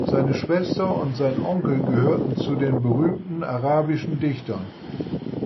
Seine Schwester und sein Onkel gehörten zu den berühmten arabischen Dichtern.